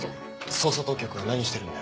捜査当局は何してるんだよ？